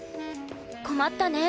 困ったね。